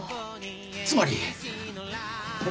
つまり。